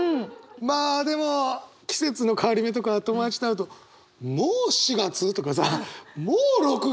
まあでも季節の変わり目とか友達と会うと「もう４月？」とかさ「もう６月？」